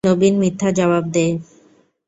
নবীন মিথ্যা জবাব দেয়।